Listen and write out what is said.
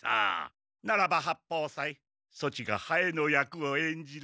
ならば八方斎そちがハエの役をえんじろ。